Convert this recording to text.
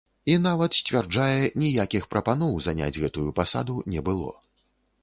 І нават, сцвярджае, ніякіх прапаноў заняць гэтую пасаду не было.